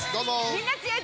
みんな強いぞ！